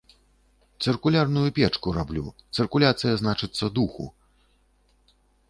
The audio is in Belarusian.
Цыркулярную печку раблю, цыркуляцыя, значыцца, духу.